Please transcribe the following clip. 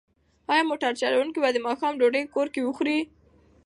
ایا موټر چلونکی به د ماښام ډوډۍ کور کې وخوري؟